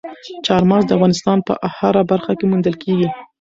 چار مغز د افغانستان په هره برخه کې موندل کېږي.